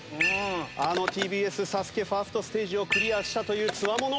あのＴＢＳ『ＳＡＳＵＫＥ』ファーストステージをクリアしたというつわもの。